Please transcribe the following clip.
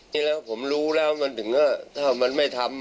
ที่แล้วผมรู้แล้วมันถึงก็ถ้ามันไม่ทำ